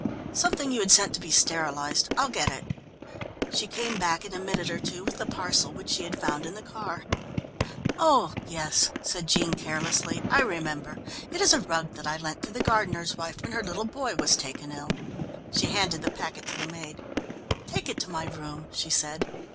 "Something you had sent to be sterilized. I'll get it." She came back in a minute or two with the parcel which she had found in the car. "Oh yes," said Jean carelessly, "I remember. It is a rug that I lent to the gardener's wife when her little boy was taken ill." She handed the packet to the maid. "Take it to my room," she said.